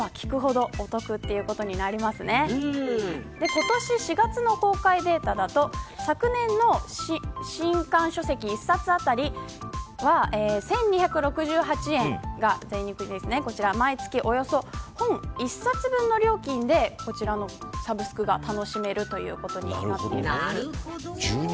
今年４月の公開データだと昨年の新刊書籍１冊あたりは１２６８円が毎月およそ本１冊分の料金でこちらのサブスクが楽しめるということになっています。